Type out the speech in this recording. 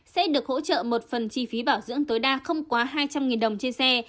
sẽ được hỗ trợ một phần chi phí bảo dưỡng tối đa không quá hai trăm linh đồng trên xe